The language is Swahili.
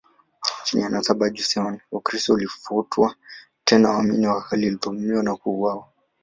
Chini ya nasaba ya Joseon, Ukristo ulifutwa, tena waamini walidhulumiwa na kuuawa.